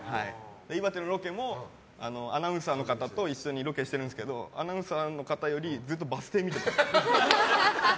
岩手のロケもアナウンサーの方と一緒にロケしてるんですけどアナウンサーの方よりずっとバス停見てます。